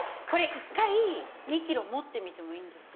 １回、２ｋｇ持ってみてもいいんですか？